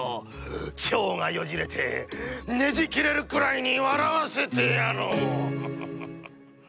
ちょうがよじれてねじきれるくらいに笑わせてやろう！